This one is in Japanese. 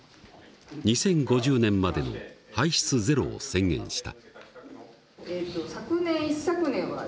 ２０５０年までの排出ゼロを宣言した。